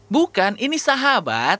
bukan ini sahabat